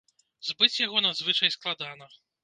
Збыць яго надзвычай складана.